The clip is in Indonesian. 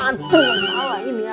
antum salah ini ya